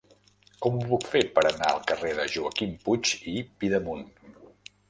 Com ho puc fer per anar al carrer de Joaquim Puig i Pidemunt?